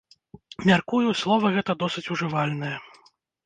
Мяркую, слова гэта досыць ужывальнае.